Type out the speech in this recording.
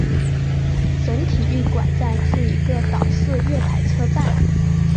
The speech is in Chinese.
省体育馆站是一个岛式月台车站。